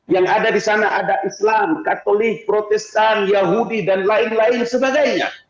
yang ada di sana ada islam katolik protestan yahudi dan lain lain sebagainya